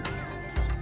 nah ini sudah hilang